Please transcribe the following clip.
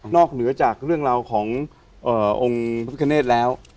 นอกเหนือจากเรื่องราวของเอ่อองค์พฤติเคเนสแล้ว